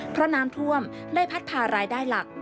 เพราะน้ำท่วมได้พัดพารายได้หลัก